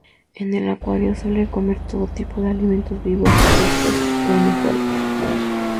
En el acuario suele comer todo tipo de alimentos vivos, frescos o en hojuelas.